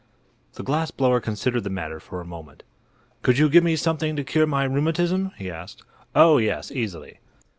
The glass blower considered the matter for a moment. "Could you give me something to cure my rheumatism?" he asked. "Oh, yes; easily."